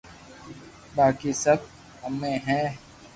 ماقي سب ايمي ھي